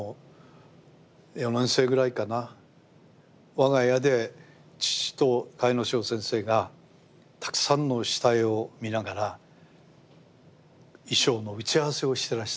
我が家で父と甲斐荘先生がたくさんの下絵を見ながら衣装の打ち合わせをしてらした。